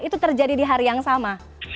itu terjadi di hari yang sama